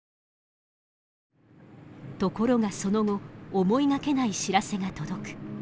ところがその後思いがけない知らせが届く。